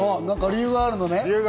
理由があるのね？